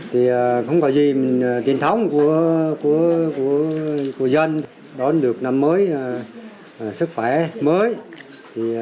thì không có gì tiền thống của dân đón được năm mới sức khỏe mới